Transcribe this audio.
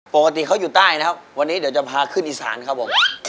ปกติเขาอยู่ใต้นะครับวันนี้เดี๋ยวจะพาขึ้นอีสานครับผม